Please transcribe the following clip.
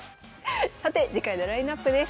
さて次回のラインナップです。